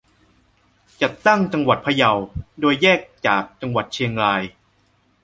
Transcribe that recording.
จัดตั้งจังหวัดพะเยา โดยแยกจากจังหวัดเชียงราย